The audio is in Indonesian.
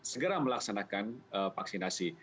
segera melaksanakan vaksinasi